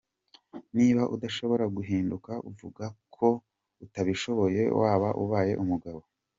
"Niba udashobora guhinduka, vuga ko utabishoboye waba ubaye umugabo".